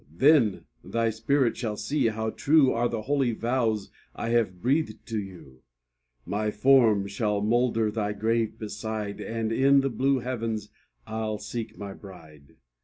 then thy spirit shall see how true Are the holy vows I have breathed to you; My form shall moulder thy grave beside, And in the blue heavens I'll seek my bride.